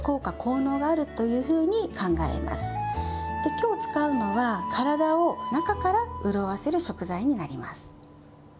きょう使うのは、体を中から潤わせる食材になります。